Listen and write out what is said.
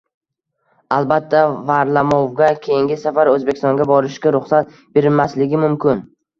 Albatta, Varlamovga keyingi safar O'zbekistonga borishga ruxsat berilmasligi mumkin